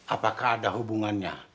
apakah ada hubungannya